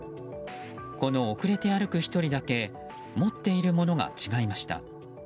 この遅れて歩く１人だけ持っているものが違いました。